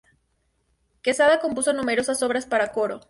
Quesada compuso numerosas obras para coro.